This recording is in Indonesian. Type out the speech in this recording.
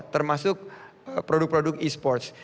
termasuk produk produk e sports